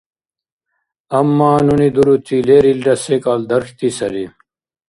Амма нуни дурути лерилра секӏал дархьти сари.